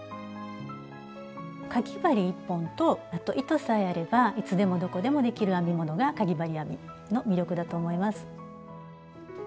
かぎ針１本とあと糸さえあればいつでもどこでもできる編み物がかぎ針編みの魅力だと思います。